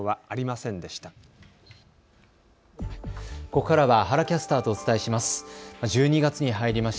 ここからは原キャスターとお伝えします。